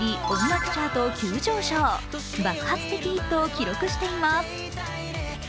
爆発的ヒットを記録しています。